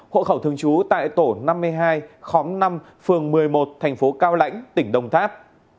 hộ khẩu thường trú tại tổ năm mươi hai khóm năm phường một mươi một thành phố cao lãnh tỉnh đồng tháp